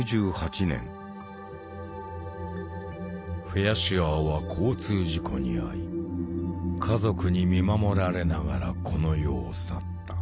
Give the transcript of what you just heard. フェアシュアーは交通事故に遭い家族に見守られながらこの世を去った。